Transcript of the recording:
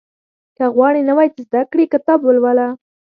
• که غواړې نوی څه زده کړې، کتاب ولوله.